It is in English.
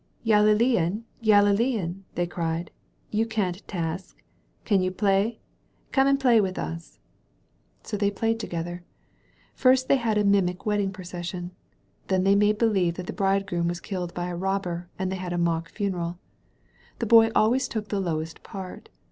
"Yalilean! Yalilean!" they cried. "You can't talk. Can you play? Come and play with us." 288 THE BOY OF NAZAEETH DREAMS So they played together. First, they had a numic weddmg procession. Then they made believe that the bridegroom was killed by a robber, and they had a mock funeral. The Boy took always the lowest part.